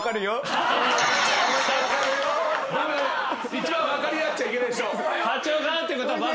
一番分かり合っちゃいけない人。